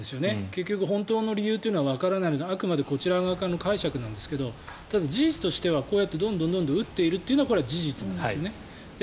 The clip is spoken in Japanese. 結局本当の理由はわからないのであくまでこちら側の解釈なんですけどただ、事実としてはこうやってどんどん撃っているというのは事実なんですね。